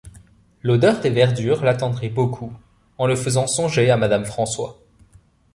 L’odeur des verdures l’attendrit beaucoup, en le faisant songer à madame François.